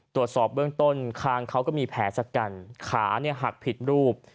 ตรวจสอบเบื้องต้นคางเขาก็มีแผลชะกันขาหักผิดรูป